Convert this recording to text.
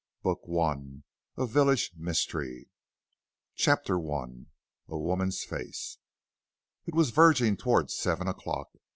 BOOK I. A VILLAGE MYSTERY. I. A WOMAN'S FACE. It was verging towards seven o'clock.